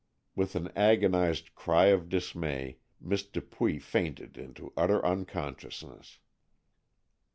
With an agonized cry of dismay, Miss Dupuy fainted into utter unconsciousness.